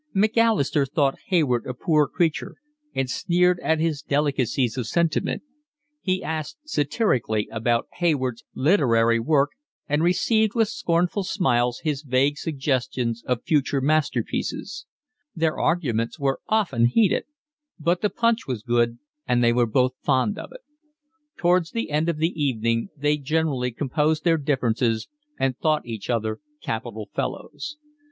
Macalister thought Hayward a poor creature, and sneered at his delicacies of sentiment: he asked satirically about Hayward's literary work and received with scornful smiles his vague suggestions of future masterpieces; their arguments were often heated; but the punch was good, and they were both fond of it; towards the end of the evening they generally composed their differences and thought each other capital fellows.